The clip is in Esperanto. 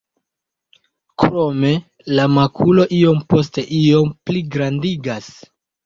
Krome la makulo iom post iom pligrandigas.